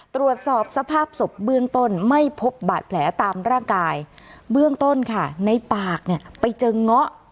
ตรวจสอบสภาพศพเบื้องต้นไม่พบบาดแผลตามร่างกายเบื้องต้นค่ะในปากเนี่ยไปเจอเงาะ